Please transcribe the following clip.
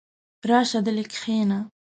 راشه دلې کښېنه!